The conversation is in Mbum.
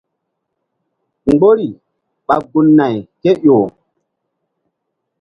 Mgbori ɓa gun- nay kéƴo.